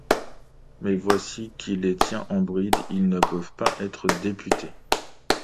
Mais voici qui les tient en bride : ils ne peuvent pas être députés.